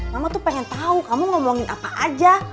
mama tuh pengen tahu kamu ngomongin apa aja